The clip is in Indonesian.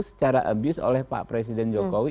secara abuse oleh pak presiden jokowi